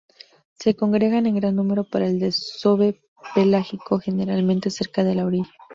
Se congregan en gran número para el desove pelágico, generalmente cerca de la orilla.